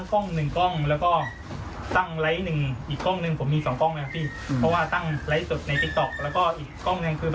ก็ทำงานต่อที่ค้างคาคือ